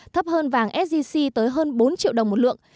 thấp hơn vàng sgc tới hơn bốn triệu đồng một lượng